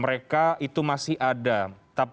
mereka itu masih ada